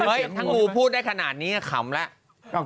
ถ้างูพูดได้ขนาดนี้ขำแล้ว